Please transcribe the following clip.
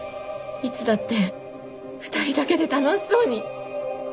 いつだって２人だけで楽しそうに。